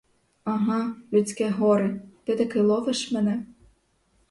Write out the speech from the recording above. Ага, людське горе, ти таки ловиш мене?